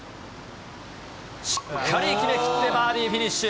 しっかり決め切ってバーディーフィニッシュ。